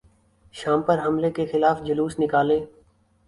شام پر حملے کیخلاف جلوس نکالیں